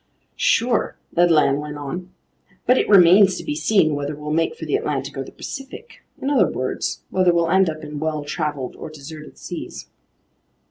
"Sure," Ned Land went on, "but it remains to be seen whether we'll make for the Atlantic or the Pacific, in other words, whether we'll end up in well traveled or deserted seas."